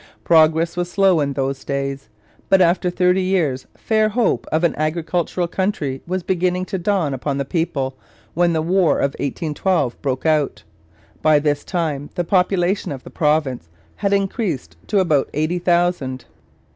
Progress was slow in those days, but after thirty years fair hope of an agricultural country was beginning to dawn upon the people when the War of 1812 broke out. By this time the population of the province had increased to about eighty thousand.